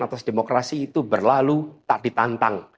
atas demokrasi itu berlalu tak ditantang